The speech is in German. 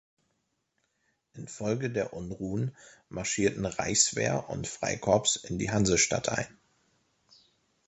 Infolge der Unruhen marschierten Reichswehr und Freikorps in die Hansestadt ein.